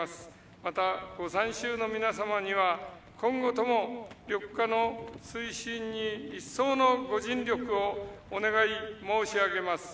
またご参集の皆様には今後とも緑化の推進に一層のご尽力をお願い申し上げます。